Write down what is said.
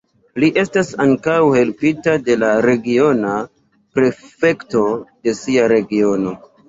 Li estas ankaŭ helpita de la regiona prefekto de sia regiono.